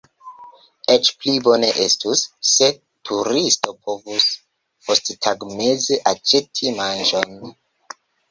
Eĉ pli bone estus, se turisto povus posttagmeze aĉeti manĝon.